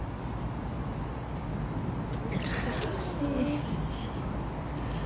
惜しい。